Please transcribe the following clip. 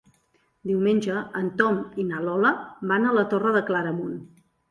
Diumenge en Tom i na Lola van a la Torre de Claramunt.